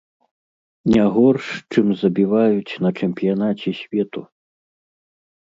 Не горш, чым забіваюць на чэмпіянаце свету!